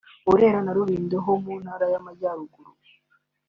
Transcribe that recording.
Burera na Rulindo ho mu ntara y’Amajyaruguru